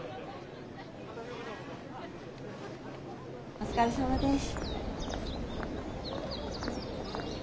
お疲れさまです。